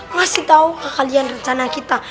ngasih tahu kekalian rencana kita